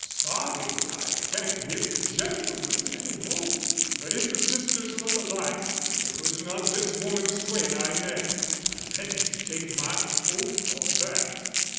"Sorry I can't give the gentleman any hope, but if the sisters look alike, it was not this woman's twin I met. I'm ready to take my oath on that."